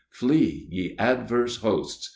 Flee, ye adverse hosts !